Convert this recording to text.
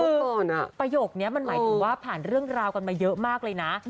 ประโยคนี้มันหมายถึงว่าผ่านเรื่องราวกันมาเยอะมากเลยนะ